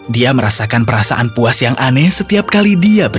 dia merasakan perasaan puas yang aneh setiap kali